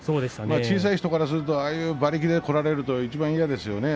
小さい人からするとああいう馬力でこられると嫌ですね。